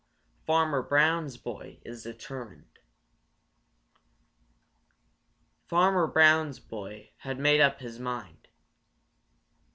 Farmer Brown's Boy Is Determined Farmer Brown's boy had made up his mind.